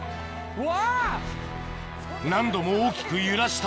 うわ。